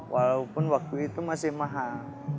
walaupun waktu itu masih mahal